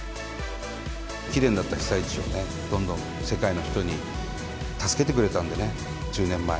きれいになった被災地をね、どんどん世界の人に助けてくれたんでね、１０年前。